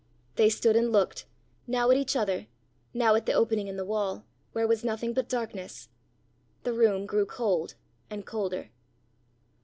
They stood and looked, now at each other, now at the opening in the wall, where was nothing but darkness. The room grew cold and colder.